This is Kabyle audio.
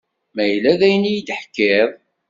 Ma yella d ayen iyi-d-teḥkiḍ.